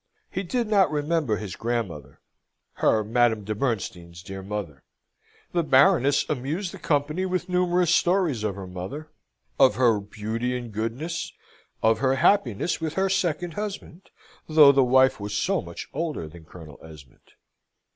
He did not remember his grandmother; her, Madame de Bernstein's, dear mother? The Baroness amused the company with numerous stories of her mother, of her beauty and goodness, of her happiness with her second husband, though the wife was so much older than Colonel Esmond.